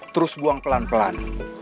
terus buang pelan pelan